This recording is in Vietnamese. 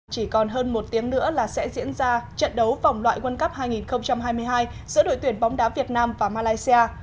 chỉ còn hơn một tiếng nữa là sẽ diễn ra trận đấu vòng loại world cup hai nghìn hai mươi hai giữa đội tuyển bóng đá việt nam và malaysia